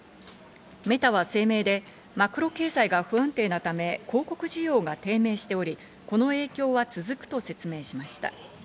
メタは声明でマクロ経済が不安定なため広告需要が低迷しており、この影響は続くと説明しました。